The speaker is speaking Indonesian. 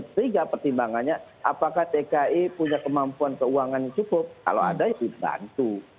tiga pertimbangannya apakah dki punya kemampuan keuangan yang cukup kalau ada dibantu